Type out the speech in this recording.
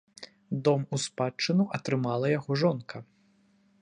Дом у спадчыну атрымала яго жонка.